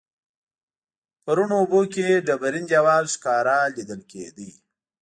په روڼو اوبو کې ډبرین دیوال ښکاره لیدل کیده.